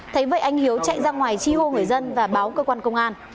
thấy vậy anh hiếu chạy ra ngoài chi hô người dân và báo cơ quan công an